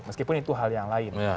meskipun itu hal yang lain